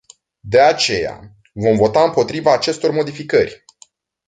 De aceea, vom vota împotriva acestor modificări.